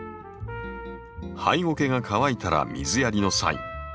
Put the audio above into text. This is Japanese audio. ハイゴケが乾いたら水やりのサイン。